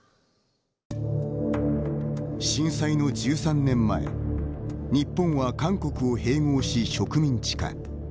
震災の１３年前日本は韓国を併合し植民地化。